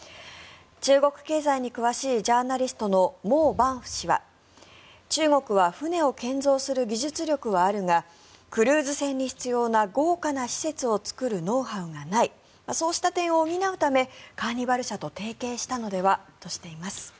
中国経済に詳しいジャーナリストのモー・バンフ氏は中国は船を建造する技術力はあるがクルーズ船に必要な豪華な施設を作るノウハウがないそうした点を補うためカーニバル社と提携したのではとしています。